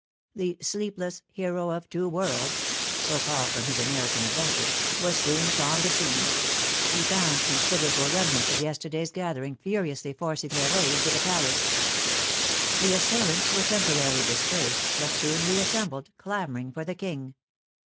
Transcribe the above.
The sleepless " hero of two worlds " (so called from his American adventures) was soon upon the scene ; he found considerable remnants of yesterday's gathering furiously forcing their way into the palace. The assailants were temporarily dispersed, but soon reassembled, clamoring for the King.